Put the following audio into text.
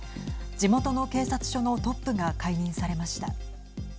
地元の警察署のトップが解任されました。